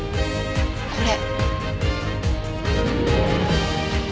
これ。